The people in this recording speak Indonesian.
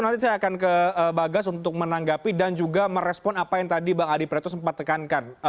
nanti saya akan ke bagas untuk menanggapi dan juga merespon apa yang tadi bang adi pretto sempat tekankan